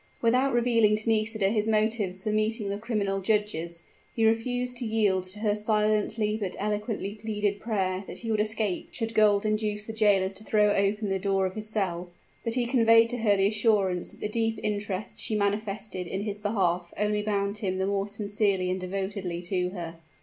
Without revealing to Nisida his motives for meeting the criminal judges, he refused to yield to her silently but eloquently pleaded prayer that he would escape should gold induce the jailers to throw open the door of his cell: but he conveyed to her the assurance that the deep interest she manifested in his behalf only bound him the more sincerely and devotedly to her.